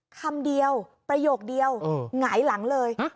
คำเดียวประโยคเดียวหงายหลังเลย